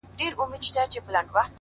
هوښیار انتخاب ستونزې راکموي!